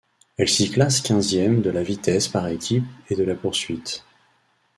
Elle s'y classe quinzième de la vitesse par équipe et de la poursuite.